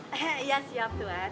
iya siap tuhan